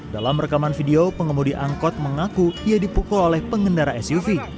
dalam rekaman video pengemudi angkot mengaku ia dipukul oleh pengendara suv